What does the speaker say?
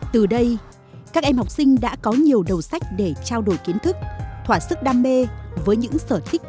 từ đây các em học sinh đã có nhiều đầu sách để trao đổi kiến thức thỏa sức đam mê với những sở thích